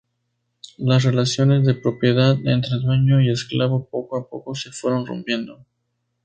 Las relaciones de propiedad entre dueño y esclavo poco a poco se fueron rompiendo.